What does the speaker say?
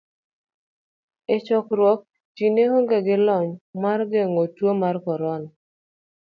E chakruok ji ne onge gi lony mar geng'o tuo mar korona.